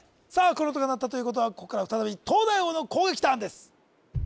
この音が鳴ったということはここから再び東大王の攻撃ターンです